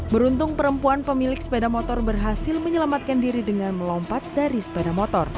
beruntung perempuan pemilik sepeda motor berhasil menyelamatkan diri dengan melompat dari sepeda motor